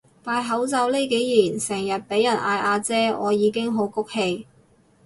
戴口罩呢幾年成日畀人嗌阿姐我已經好谷氣